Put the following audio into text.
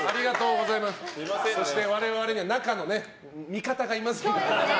そして我々には中の味方がいますから。